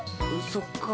そっか。